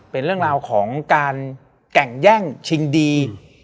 เป็นเรื่องราวของการแก่งแย่งชิงดี